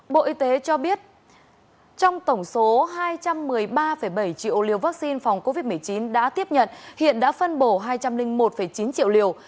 bộ y tế cho biết trong tổng số hai trăm một mươi ba bảy triệu liều vaccine phòng covid một mươi chín đã tiếp nhận hiện đã phân bổ hai trăm linh một chín triệu liều